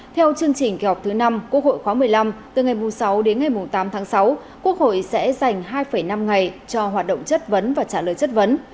theo chương trình kỳ họp thứ năm quốc hội khóa một mươi năm từ ngày sáu đến ngày tám tháng sáu quốc hội sẽ dành hai năm ngày cho hoạt động chất vấn và trả lời chất vấn